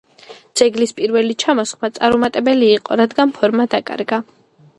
ძეგლის პირველი ჩამოსხმა წარუმატებელი იყო, რადგან ფორმა დაკარგა.